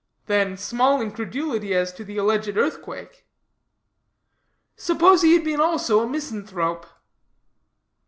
"Then small incredulity as to the alleged earthquake." "Suppose he had been also a misanthrope?"